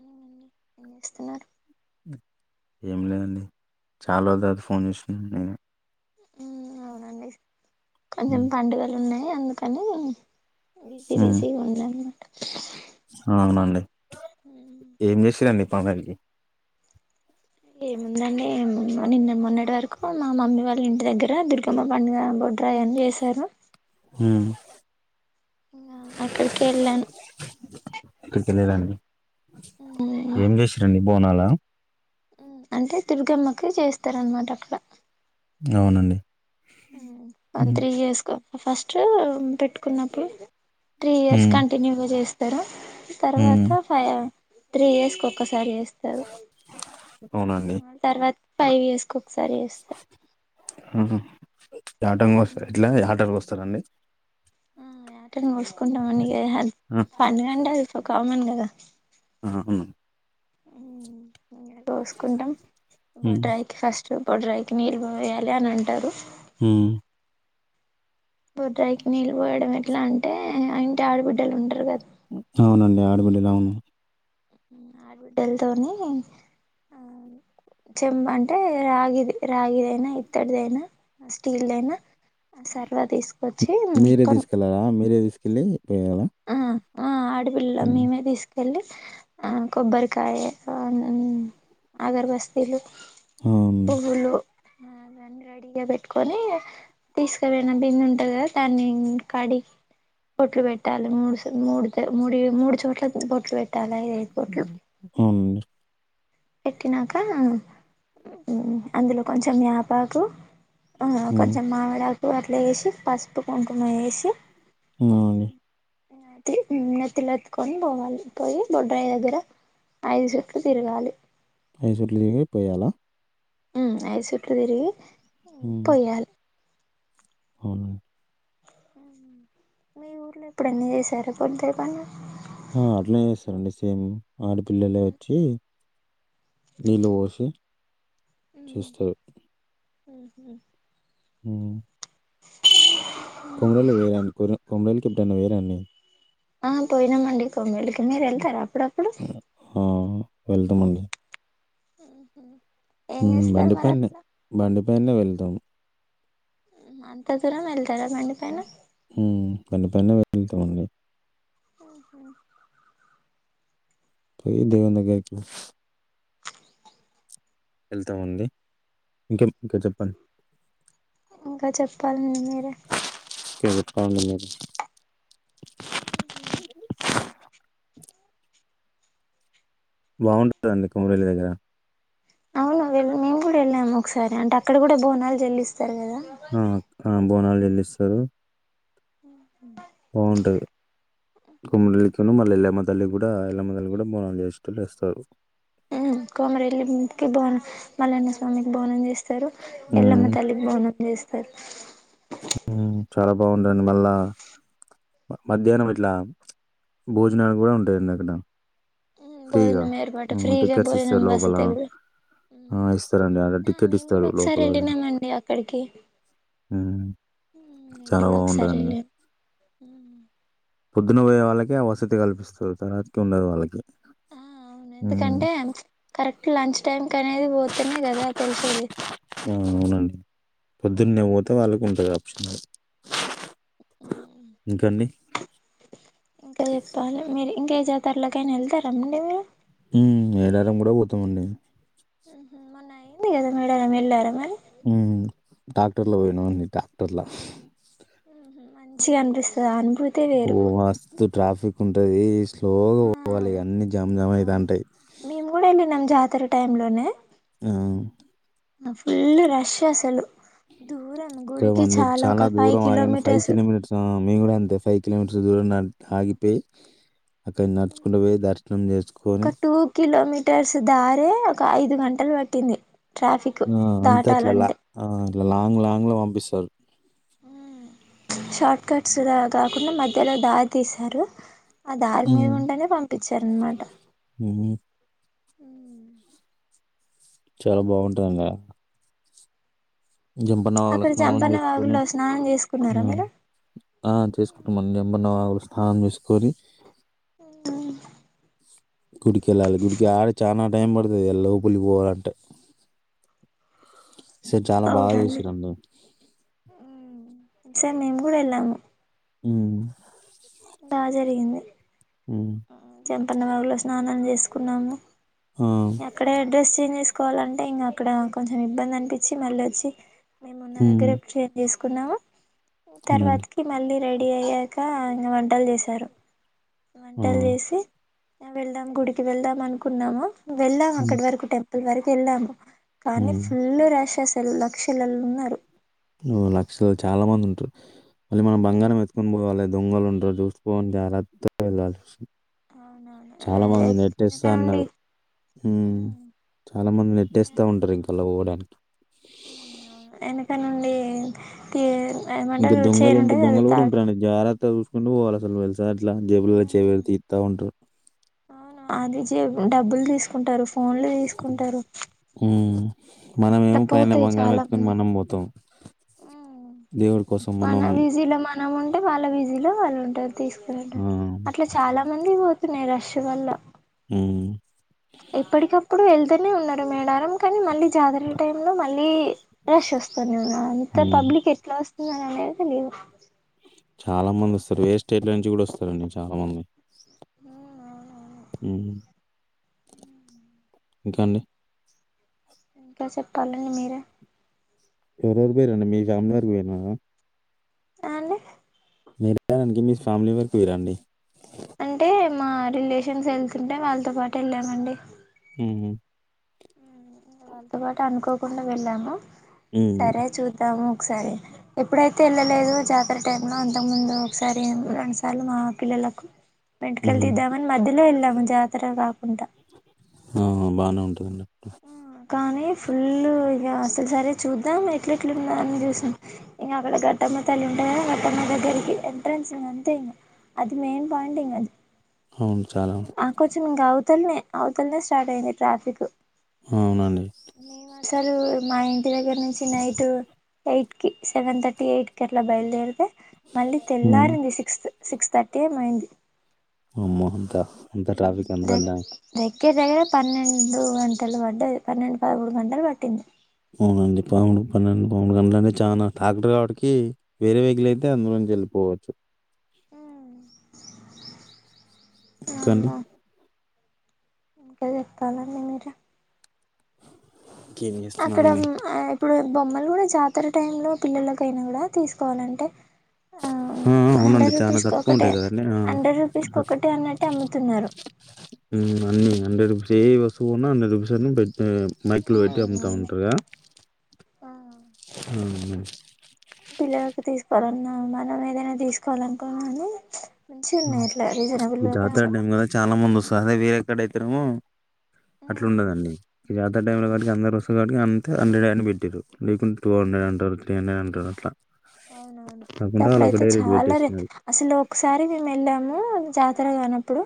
ఎన్ని ఇస్తారు. ఏం లేదండి చాలా రోజుల తర్వాత ఫోన్ చేసినవ్ నేనే అవునండి కొంచెం ఉమ్ పండుగలు ఉన్నాయి. అందుకని బిజీ ఉమ్, బిజి ఉందన్నమాట. అవునండి. ఏం చేసిరూ రండి. [unintelligible] ఏముందండి నిన్న మొన్నటి వరకు మా మమ్మీ వాళ్ళ ఇంటి దగ్గర దుర్గమ్మ పండగా పోతు రాజుని చేసారు ఉహ్ అక్కడికి వెళ్ళాను ఎక్కడికివెళ్లారండి ఏం చేసిరండి బోనాల అంటే దుర్గమ్మకి చేస్తారనమాట అక్కడ అవునండి ఉమ్ మంత్రీ చేసుకో ఫస్ట్ పెట్టుకున్నప్పుడు త్రీ ఇయర్స్ ఉమ్ కంటిన్యూగా చేస్తా [unintelligible] ఉమ్ తర్వాత ఫై త్రీ ఇయర్స్ ఒకసా చేస్తారు అవునండి ఆ తర్వాత ఫైవ్ ఇయర్స్ ఓక్ సరే చేస్తారు ఉ హు యాటను కోస్త ఎట్లా యాట కోస రండి ఆ యాట కోస్తా కొంతమంది ఏఅగ్గు ఆ [inaudible] పండుగంటది ఒక [unintelligible] కదా ఆవును ఉ.. కోసుకుంటాం ఉమ్ బొడ్రాయికి ఫస్ట్ బొడ్రాయికి నీళ్ళు పోయాలి అని అంటారు. ఉమ్ బొడ్రాయికి నీళ్ళు పోయడం ఎట్లా అంటే ఆ ఇంటి ఆడబిడ్డలు ఉంటారు కదా అవునండి ఆడబిడ్డలు అవును ఆడబిడ్డల తోని ఆ చెంబు అంటే రాగిది రాగిదైనా ఇత్తడిదైనా స్టీల్ దైన సరే మీరే తీసుకెళ్ళరా మీరే తీసు వెళ్లి పొయ్యాల ఆ ఆ అడుగు పిల్ల మీమే తీసు వెళ్లి ఆ కొబ్బరికాయ ఆనం అగరబస్తీలు అవునండి పువ్వులు ఆ దాన్ని రెడీగా పెట్టుకొని తీసుకపోయిన బిందె ఉంటది కదా దాన్ని కడిగి బోట్లు పెట్ పెట్టాలి మూడుసు మూడుతే మూడి మూడు చోట్ల బొట్లు పెట్టాలి అయిపోట్ ఉమ్, అవునండి ఏక్కినాక అందులో కొంచెం యాపాకు ఆ ఉమ్ కొంచెం మావిడాకు అట్ల చేసి పసుపు కుంకుమ వేసి అవునండి నెత్తి నెత్తిలా ఎత్తుకొని పోవాలి పోయి బొడ్రాయి దగ్గర ఐదు చూట్లు తిరగాలి ఐదు చూట్లు తిరిగి పోయాలా ఉ ఐదు చూట్లు తిరిగి పోయాలి అవునా మీ ఊర్లో ఎప్పుడైనా చేశారా బొడ్రాయి పండుగ ఆ అట్నే చేస్తారండి సేమ్ ఆడపిల్లలే వచ్చి నీళ్ళు పోసి చేస్తారు ఆహ హ అ ఎప్పుడన్న వేరే అన్నీ ఆ పోయినా మండి కోమ్మ మీరు వెళ్తారా అప్పుడప్పుడు ఆ! వెళ్తామండి ఉ బండిపైనే బండి పనే వెళతు ఎద అంత తర మల్ అంట పన్న వెళ్తామండి ఆఓహా పోయి దేవనగకి వెళ్తా ఉంది ఇంకా చెప్పండి. ఇంకా చెప్పాలండి మీరే ట్టాడి బాగుంటుందండి కొమరేలి దగ్గర అవును మేము కూడా వెళ్ళాము ఒకసారి అంటే అక్కడ కూడా బోనాలు చెల్లిస్తా సారు కదా ఆ! ఆ! బోనాలు చేళ్ళిస్తారు ఉ బాగుంటది కొంరెల్లి కున్ను మల్ల ఎల్లమను తల్లి కూడా ఎల్లమ్మ తల్లి కూడా బోనాలు చేసేటోళ్ళు ఎస్తారు కోమరెల్లికి బోనం మల్లన్న స్వామికి బోనం చేస్ స్తరు హ్మ్. ఎల్లమ్మ తల్లికి బోనం చెస్ ఫేత్ హ్మ్. చాలా బాగుందండి మళ్ళా మధ్యాహ్నం ఇట్లా భోజనాలు కూడా ఉంటాయండి అక్కడ ఫ్రీగా భోజనం ఏర్పాటు ఫ్రీగా టికెట్స్ భోజనం ఇస్తారు లోపల వసతి కూడా ఆ ఇస్తారండి అడ ఆ టికెట్ మేము కూడా ఇస్తారు ఒకసారి లోపల పోయిన వెళ్ళినామండి అక్కడికి ఉ చాలా బాగుంటుదండి ఉ పొద్దున పోయే వాళ్ళకే వసతి కల్పిస్తరు తర్వాతకి ఉండదు వాళ్ళకి ఆ అవును హ్మ్. ఎందుకంటే కరెక్ట్ లంచ్ టైమ్ కనేది పోతనే కదా తెలిసేది ఆ అవునండి పొద్దున్నే పోతే వాళ్ళకు ఉంటది ఆప్షన్ అది ఇంకఅండి ఇంకా చెప్పాలే మీరు ఇంకేజాత్ తర్ల కైనా ఎళ్తారండి మీరు ఉ మేడారం కూడా పోతామండి ఉహు మొన్న ఐంది కదా మేడారం ఎల్లారా మరి ఉమ్ టాక్టర్ల పోయినం నీ టాక్టర్లా ఉహు మంచిగా అనిపిస్తదండి ఓ మస్తు ట్రాఫిక్ ఉంటది లోగా ఆ పోవాలి అన్ని జామ్ జామ్ అయితంటయి తర టైంలోనే అ ఫుల్ రష్ అసలు దూరం ఇక్కడ గుడికి మంది చాలా ఒక చానా ఫైవ్ దూరం ఆగినా ఫైవ్ కిలోమీటర్స్ కిలోమీటర్స్ ఆ మేం కూడా అంతే ఫైవ్ కిలోమీటర్స్ దూరం నంత ఆగిపోయి అక్కడి నడుచుకుంట పోయి దర్శనం చేసుకొని టర్స్ దారే ఒక ఐదు గంటలు పట్టింది ట్రాఫిక్ ఆ అంత ఇట్లలా దాటాలంటే ఆ లాంగ్ లాంగ్ లో పంపిస్తారు షార్ట్కట్స్ కాకుండా మధ్యలో దారి తీసారు ఆ దారి మీది హ్మ్. గుంటనే పంపించారన్మాట హ్మ్. ఉ చాలా బాగుంటది అండి అక్కడ స్నానం జంపన్న చేసుకొని వాగుల్లో స్నానం ఆ! చేసుకున్నారా మీరు ఆ చేసుకుంటామడి జంపన్న వాగు లొ స్నానం చేసుకొని ఉ గుడికెళ్ళాలి. గుడికి ఆడ చానా టైం పడ్తది ఇగ లోపలికి పోవాలంటే ఈ సారి చాలా బాగా అవునండి చేశిరండి ఈసారి మేం కూడా ఎల్లాము ఉం బాగ జరిగింది జం జంపన్న వాగులో స్నానాలు చేసుకున్నాము ఆ! అక్కడే డ్రెస్ చేంజ్ చెస్ కోవాలంటే ఇంక అక్కడ కొంచెం ఇబ్బంది అనిపించి మళ్ళీ వచ్చి మేమున్న దగ్గర హ్మ్. చేంజ్ చేసుకున్నాము కున్నాము అవునండి. తర్వాతకి మళ్ళీ రెడీ అయ్యాక ఇంక వంటలు చేశారు ఆ! వంటలు చేసి వెళ్దాం గుడికి వెళ్దాం అనుకున్నాము వెళ్ళాం హ్మ్. అక్కడి వరకు టెంప్ల్ అక్కడ వరకు వెళ్లాము కానీ హ్మ్. ఫుల్ రష్ అస లక్షలలొ ఉన్నారు నువ్వు లక్షలు చాలా మంది ఉంటారు మళ్ళీ మనం బంగారం ఎత్తుకొని పోవాలి దొంగలు ఉంటారు చూసుకొని జాగ్రత్తతో వెళ్ళాలి అవునవును చాలా మంది నెటెస్త వెనక అన్నారు నుండి చాలా మంది నెట్టేస్తా ఉంటారు ఇంకా అలా పోవడానికి అవును వెనక నుండి తే [unintelligible] ఇంకా దొంగలు ఉంటారు దొంగలు కూడా ఉంటారండి జాగ్రత్త గ చూసుకుంటు పోవాలి అసలు వెళ్ళాలి ఇట్లా జేబుల పెట్టి చేయి పెట్టీ తీత్త ఉంటారు అవును అది జేబులో డబ్బులు తీసుకుంటారు ఫోన్లు తీసుకుంటారు మనం అట్లా ఏమో పైన పోతాయి బంగారం చాలా ఎత్తుకొని మంది మనం పోతాం దేవుడి కోసం మనం బిజిలో వాళ్ళు ఉంటారూ. తీసుకుంటారు ఆ, అట్లా చాలా మందివి పోత్ తినే రష్ వల్ల. ఉమ్. ఎప్పటికప్పుడు వెళ్తు. తిని ఉండటమే నారం. కానీ మళ్ళీ జాతర టైమ్ లో మళ్ళీ రష్ వస్తానే ఉన్నది. ఇంత ఉమ్, పబ్లిక్ ఎట్లా వస్త [unintelligible] లీవ్. చాలా మంది వస్తారు. వేరే స్టేట్ నుంచి కూడా వస్తారండి చాలా మంది. ఉమ్. ఇంకా అండి. ఇంకా చెప్పాలండి మీరే. ఎవరెవరు పోయిన్రండి మీ ఫ్యామిలీ తో పోయిండ్రా. ఆహ్ అండి. మేడారనికి మీ ఫ్యామిలీ తోటి పోయిండ్రా అండి. అంటే మా రిలేషన్స్ వెళ్తుంటే వాళ్ళతో పాటు వెళ్ళామండి. ఉమ్ వాళ్ళతో పాటు అనుకోకుండా వెళ్ళాము. ఉమ్. సరే చూద్దాము. ఒకసారి ఎప్పుడైతే వెళ్ళలేదో జాతర టైంలో అంతకుముందు ఒకసారి రెండుసార్లు మా పిల్లలకు. వెంటుకలు ఉహు. తీద్దామని మధ్యలో వెళ్ళాము జాతర కాకుండా. ఆహ్ బాగానే ఉంటాదండి. కానీ ఫుల్ ఇక అసలు సరే చూద్దాం ఎట్లట్లుంద అని చూసినం ఇంక అక్కడ గట్టామ్మ తల్లి ఉంటాది కదా గట్టామ్మ దగ్గరికి ఎంట్రెన్స్ ఇంక అంతే ఇంకా అది మెయిన్ పాయింట్ ఇంకాది. అవును చాలా ఉం- ఆకుపచ్చ గవ్. టెల్ మీ అవుతల్ది స్టార్ట్ అయ్యింది ట్రాఫిక్. అవునండి మైండ్. ఇంటి దగ్గర నుంచి నైట్ ఎయిట్. కీ సెవెన్ థర్టీ ఎయిట్ కి అట్లా బయలుదేరితే. మళ్ళీ ఉమ్. తెల్లారింది సిక్స్త్. సిక్స్ థర్టీయె ఏమో అయ్యింది. అమ్మో అంతా అంత ట్రాఫిక్ ద అంతంతా. దగ్గర దగ్గర పన్నెండు గంటలు పట్ పన్నెండు పదమూడు గంటలు పెట్టింది. అవునండి పదముడు పన్నెండు పదముడు గంటలు అంటే చాలా ట్రాక్టర్ వాటికి వేరే వేకిల్ అయితే అందులోనుంచి వెళ్ళిపోవచ్చు. ఇంకా అండి. అమ్మో ఇంకా చెప్పాలండి మీరే. ఇంకేం అక్కడ చేస్తున్నానండి ఆ ఇప్పుడు బొమ్మలు గుడ జాతర టైంలో పిల్లలకైనా గుడా తీసుకోవాలంటే ఆ అవునండి హండ్రెడ్ చానా రూపీస్కి ఒకటే తక్కువుంటాయి గదండి ఆ హండ్రెడ్ రూపీస్కి ఒకటే అన్నట్టే అమ్ముతున్నారు ఉమ్ అన్ని హండ్రెడ్ నడుపుసెను పెట్టే మైక్లు పెట్టి అమ్ముతా ఉంటారుగా మ్మ్ పిల్లలకు తీసుకోవాలన్నా మనం ఏదైనా తీసుకోవాలనుకున్నాని మంచిగున్నాయి అట్లా రీజనబుల్గా కొంచెం అదవే అక్కడైత్రమో అట్లడుందదండి జాతర టైమ్ లో అవును కాట్టి అందరొస్త ఇగంతే హండ్రెడ్ అన్ని పెట్టిర్రు లేకుంటే టూ హండ్రడ్ అంటారు త్రి హండ్రెడ్ టదట్లా అవునవును ఉత్తపుడైతే చాలా రేట్ అసలు ఒక సారి మీము వెళ్ళాము జాతర గానం ప్పుడు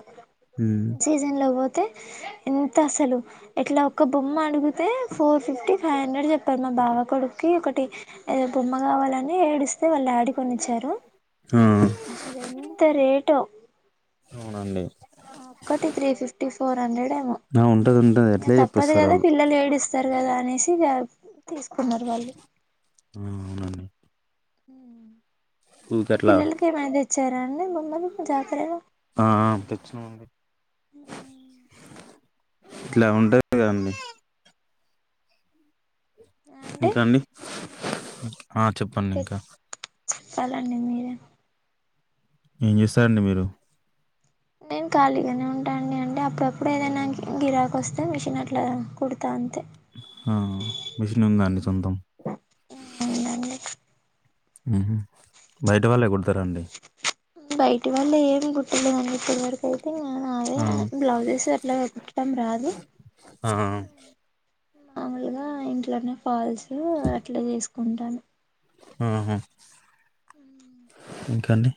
ఉమ్. సీజన్ లో పోతే ఎంత అసలు ఇట్లా ఒక్క బొమ్మ అడుగుతే ఫోర్ ఫిఫ్టీ ఫైవ్ హండ్రెడ్ చెప్పారు మా బావ కొడుక్కి ఒకటి ఏదో బొమ్మ కావాలన్ ఏడిస్తే వాళ్ళ డాడికొనిచ్చారు ఆ, అసలెంత రేటో అవునండి ఒక్కటి త్రీ ఫిఫ్టీ ఫోర్ హండ్రెడ్ ఏమో ఆ, ఉంటది ఉంటది ఇగ ఎట్లే తప్పదు చెప్పేస్తారు గదా వాళ్ళు పిల్లలు ఏడిస్తారు గదా అనేసి ఎస్ తీసుకున్నరు వాళ్ళు ఆ, అవునండి ఊరికి మీ అట్లా పిల్లలకేమైదెచ్ చారండి మొన్న జాతరలో ఆ తెచ్చినమండీ ఇట్లా ఉంటది గదండీ అంటే ఇంకా అండి ఆ చెప్పండింకా పలండి మీరే ఏం చేస్తారండి మీరు నేను ఖాళీగానే ఉంటా అండి అంటే అప్పుడప్పుడు ఏదైనా గిరాకొస్తే మిషన్ అట్లా కుడ్ ఆ మిషనుందా అండీ సొంతం అవునండి ఊహ్మ్ బయట వాళ్ళేయ్ కుడ్ తరండి బయటి వాళ్ళ ఏం కుట్టలేదండి ఇప్పటి వరకైతే నా అదే ఆ, బ్లౌజెస్ అట్లా కుట్టడం రాదు. ఆ, ఆ! మామూలుగా ఇంట్లోనే ఫాల్స్ అట్లా చేసుకుంటాను. ఆహా ఉం ఇంకాండి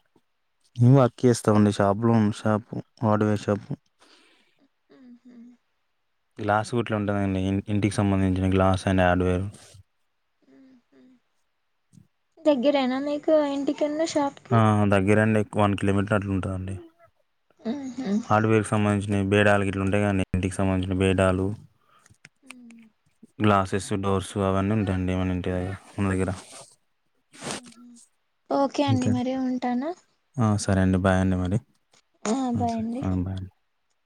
మేము వర్క్ చేస్తామండి షాపులు షాపు హార్డువేర్ షాపు. మ్మ్ గ్లాసు గుట్లు ఉంటుందండి ఇంటికి సంబంధించిన గ్లాస్ అండ్ ఆడ్వేరు దగ్గరేనా మీకు ఇంటి ఆ దగ్గరండి వన్ కిలోమీటర్ అట్లుంటదండి హార్డ్వేర్ సంబంధించినయ్ బేడాలు ఇట్లు ఉంటాయి కానీ, ఇంటికి సంబంధించిన బేడాలు. ఉహు గ్లాసెస్, డోర్స్ అవన్నీ ఉంటాయండి మనింటి దగ్గ మన దగ్గర. ఉహు ఓకే అండి మరీ ఉంటాను. ఆ, సరే అండి బాయ్ అండి మరి. బాయ్ అండి [inaudible]